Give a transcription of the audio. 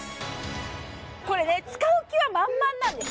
これね使う気は満々なんです。